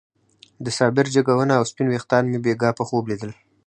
د صابر جګه ونه او سپين ويښتان مې بېګاه په خوب ليدل.